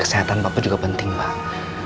kesehatan bapak juga penting bang